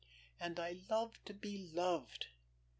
And I love to be loved.